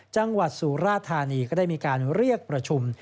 จังหวัดสุราธานีก็ได้มีการเรียกประชุม